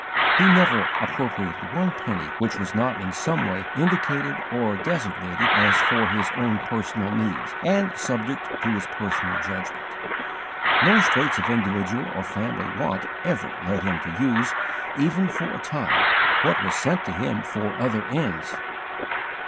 He never appropriated one penny which was not in some way indicated or designated as for his own personal needs, and subject to his personal judgment. No straits of individual or family want ever led him to use, even for a time, what was sent to him for other ends.